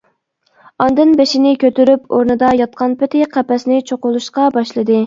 ئاندىن بېشىنى كۆتۈرۈپ ئورنىدا ياتقان پېتى قەپەسنى چوقۇلاشقا باشلىدى.